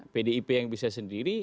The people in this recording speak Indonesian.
pdip yang bisa sendiri